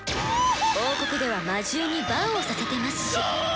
王国では魔獣に番をさせてますし。